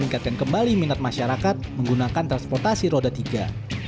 kondisi minat masyarakat menggunakan transportasi roda tiga